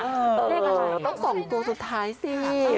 เออต้องส่งตัวสุดท้ายสิ